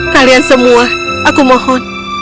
kalian semua aku mohon